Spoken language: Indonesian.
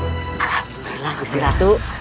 alhamdulillah gusti ratu